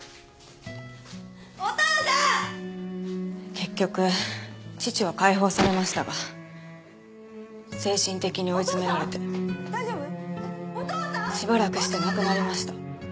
結局父は解放されましたが精神的に追い詰められてしばらくして亡くなりました。